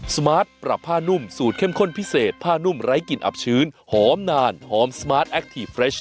สมาร์ทปรับผ้านุ่มสูตรเข้มข้นพิเศษผ้านุ่มไร้กลิ่นอับชื้นหอมนานหอมสมาร์ทแอคทีฟเฟรช